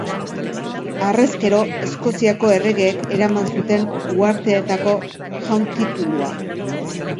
Harrezkero, Eskoziako erregeek eraman zuten Uharteetako Jaun titulua.